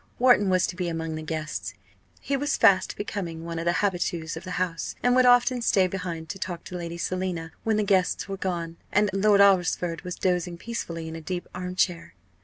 Wharton was to be among the guests. He was fast becoming one of the habitues of the house, and would often stay behind to talk to Lady Selina when the guests were gone, and Lord Alresford was dozing peacefully in a deep arm chair.